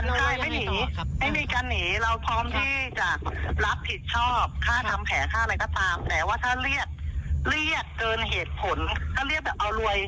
นี่ไม่มีการหลอก